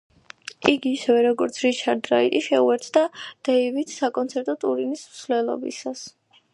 იგი, ისევე, როგორც რიჩარდ რაიტი, შეუერთდა დეივიდს საკონცერტო ტურნეს მსვლელობისას.